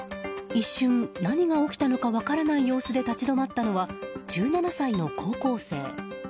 一瞬、何が起きたのか分からない様子で立ち止まったのは１７歳の高校生。